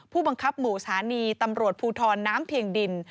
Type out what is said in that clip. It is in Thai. ผู้บังคับหมู่สถานีตำรวจภูทรน้ำเพียงดิน